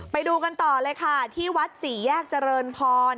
ไปดูกันต่อเลยค่ะที่วัดสี่แยกเจริญพร